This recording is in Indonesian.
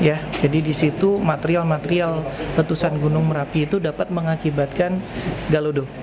retusan gunung marapi jadi disitu material material retusan gunung marapi itu dapat mengakibatkan galodo